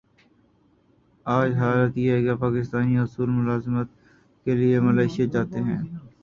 آج حالت یہ ہے کہ پاکستانی حصول ملازمت کیلئے ملائشیا جاتے ہیں۔